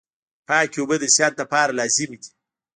پاکي اوبه د صحت لپاره لازمي دي.